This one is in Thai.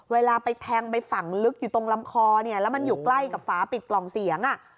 เวลาไปแทงไปฝั่งลึกอยู่ตรงลำคอเนี่ยแล้วมันอยู่ใกล้กับฝาปิดกล่องเสียง